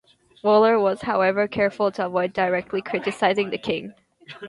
Waller was however careful to avoid directly criticising the king.